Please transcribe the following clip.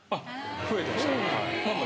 増えてました。